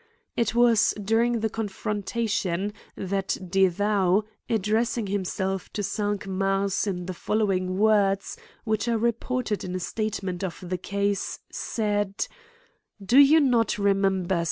It was during the confronta tion, that De Thou, addressing himself to Cinq Mars, in the following words, which are reported in the statement of the case, said ;" Do you not remember.